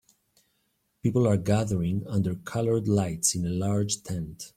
People are gathering under colored lights in a large tent.